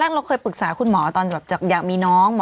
ตอนแรกเราเคยปรึกษาคุณหมออยากมีน้อง